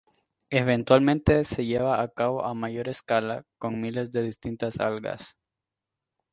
Eventualmente, se lleva a cabo a mayor escala, con miles de distintas algas.